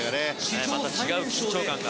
また違う緊張感が。